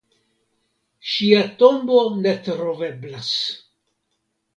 Ŝia tombo ne troveblas.